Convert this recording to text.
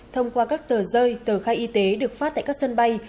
thông qua các tờ rơi tờ khai y tế được phát tại các sân bay